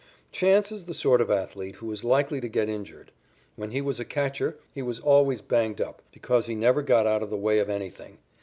Chance is the sort of athlete who is likely to get injured. When he was a catcher he was always banged up because he never got out of the way of anything.